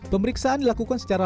pemeriksaan dilakukan secara